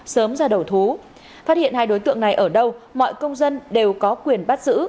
sớm ra đầu thú phát hiện hai đối tượng này ở đâu mọi công dân đều có quyền bắt giữ